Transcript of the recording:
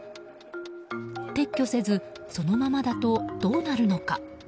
撤去せず、そのままだとどうなるのか。